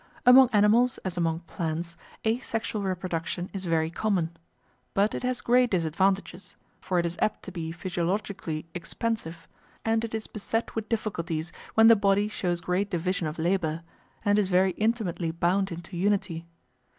Among animals as among plants, asexual reproduction is very common. But it has great disadvantages, for it is apt to be physiologically expensive, and it is beset with difficulties when the body shows great division of labour, and is very intimately bound into unity.